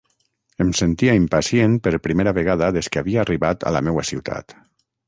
Em sentia impacient per primera vegada des que havia arribat a la meua ciutat.